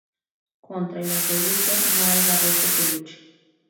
Contra el acebuche no hay garrote que luche.